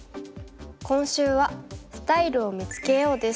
今週は「スタイルを見つけよう」です。